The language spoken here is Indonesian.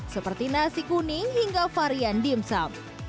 seperti nasi kuning hingga varian dimsum